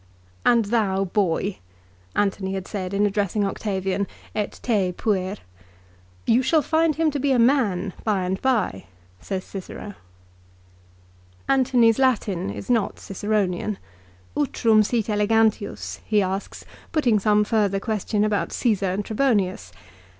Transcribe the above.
" And thou, boy !" Antony had said in addressing Octavian " Et te, puer !"" You shall find him to be a man by and by/' says Cicero. Antony's Latin is not Ciceronian, " Utrum sit elegantius," he asks, putting some further question about Caesar and Trebonius.